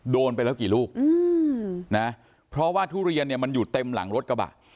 โดนไปแล้วกี่ลูกนะเพราะว่าทุเรียนเนี่ยมันอยู่เต็มหลังรถกระบะ